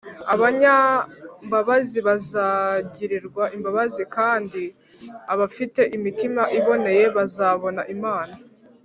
abanyambabazi bazagirirwa imbabazi, kandi abafite imitima iboneye bazabona imana